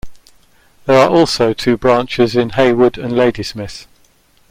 There are also two branches in Hayward and Ladysmith.